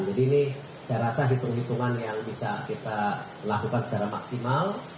jadi ini saya rasa hitung hitungan yang bisa kita lakukan secara maksimal